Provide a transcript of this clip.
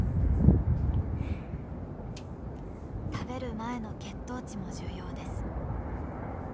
食べる前の血糖値も重要です。